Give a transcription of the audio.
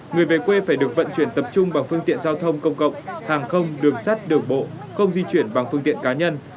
người về quê phải được vận chuyển tập trung bằng phương tiện giao thông công cộng hàng không đường sắt đường bộ không di chuyển bằng phương tiện cá nhân